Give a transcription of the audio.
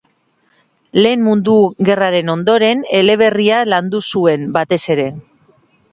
Lehen Mundu Gerraren ondoren, eleberria landu zuen, batez ere.